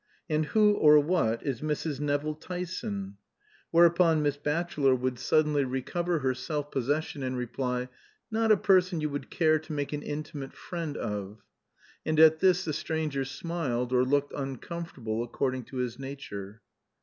"And who or what is Mrs. Nevill Tyson?" Whereupon Miss Batchelor would suddenly recover her self possession and reply, "Not a person you would care to make an intimate friend of." And at this the stranger smiled or looked uncomfortable according to his nature.